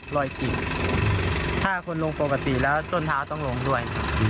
รอยจิบถ้าคนลงปกติแล้วจนเท้าต้องลงด้วย